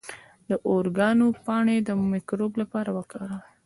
د اوریګانو پاڼې د مکروب لپاره وکاروئ